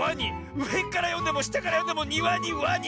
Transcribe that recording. うえからよんでもしたからよんでもニワにワニ。